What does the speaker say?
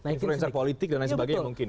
influencer politik dan lain sebagainya mungkin